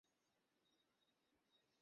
আমায় ও পুরো ক্লাসের সামনে অপমান করছিল।